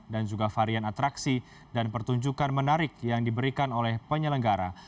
dan juga varian atraksi dan pertunjukan menarik yang diberikan oleh penyelenggara